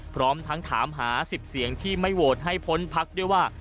พร้อมทั้งถามหา๑๐เสียงที่ไม่โหวตให้พ้นพักด้วยว่า